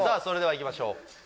それではいきましょう